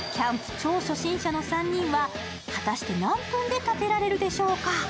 超初心者の３人は果たして何分で立てられるでしょうか。